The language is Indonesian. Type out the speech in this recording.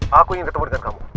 aku ingin ketemu dengan kamu